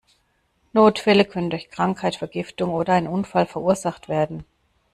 Notfälle können durch Krankheit, Vergiftung oder einen Unfall verursacht werden.